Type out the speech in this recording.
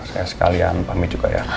saya sekalian pamit juga ya